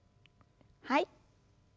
はい。